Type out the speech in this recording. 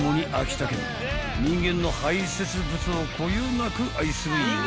［人間の排せつ物をこよなく愛する妖怪だ］